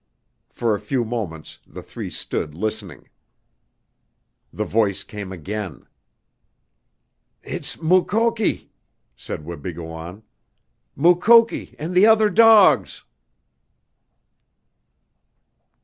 For a few moments the three stood listening. The voice came again. "It's Mukoki," said Wabigoon, "Mukoki and the other dogs!"